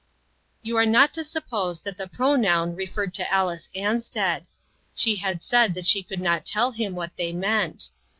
You are not to suppose that the pronoun referred to Alice Ansted. She had said that she could not tell him what they meant.